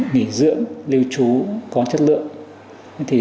nghỉ dưỡng lưu trú có chất lượng